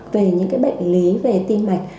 về những cái bệnh lý về tim mạch